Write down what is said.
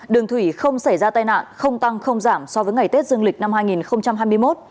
đường thủy không xảy ra tai nạn không tăng không giảm so với ngày tết dương lịch năm hai nghìn hai mươi một